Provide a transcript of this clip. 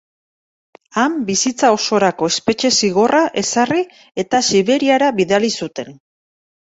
Han bizitza osorako espetxe zigorra ezarri eta Siberiara bidali zuten.